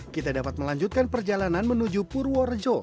kita dapat melanjutkan perjalanan menuju purworejo